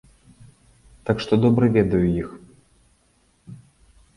Так што добра ведаю іх!